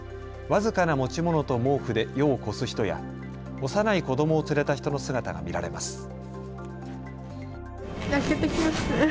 僅かな持ち物と毛布で夜を越す人や幼い子どもを連れた人の姿が見られます。